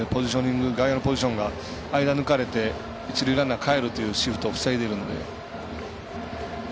外野のポジションが間を抜かれてかえってくるというシフトを防いでいるので。